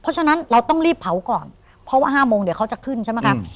เพราะฉะนั้นเราต้องรีบเผาก่อนเพราะว่า๕โมงเดี๋ยวเขาจะขึ้นใช่ไหมคะ